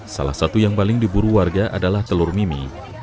salah satu yang paling diburu warga adalah telur mimi